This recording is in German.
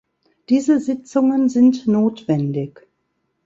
Diese Sitzungen sind notwendig.